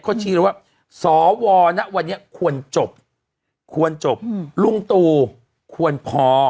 เขาชี้เลยว่าสวนะวันนี้ควรจบควรจบลุงตู่ควรพอ